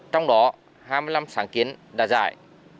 trong đó hai mươi năm sáng kiến đã giải